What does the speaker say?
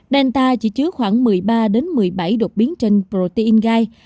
delta chỉ chứa khoảng một mươi ba một mươi bảy đột biến trên protein gai